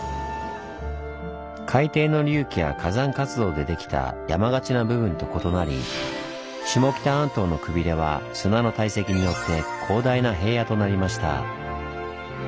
海底の隆起や火山活動で出来た山がちな部分と異なり下北半島のくびれは砂の堆積によって広大な平野となりました。